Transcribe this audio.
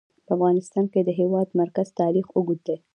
په افغانستان کې د د هېواد مرکز تاریخ اوږد دی.